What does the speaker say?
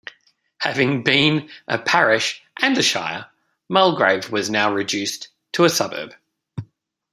Having been a parish and a shire, Mulgrave was now reduced to a suburb.